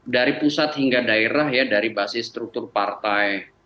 dari pusat hingga daerah ya dari basis struktur partai